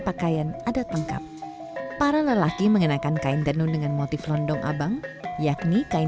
pakaian adat lengkap para lelaki mengenakan kain tenun dengan motif londong abang yakni kain